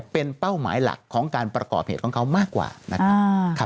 เป็นเป้าหมายหลักของการประกอบเหตุของเขามากกว่านะครับ